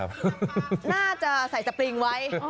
อ้าวนี่น่าจะใส่สปริงไว้